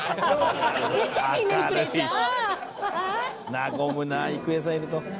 「和むなあ郁恵さんいると」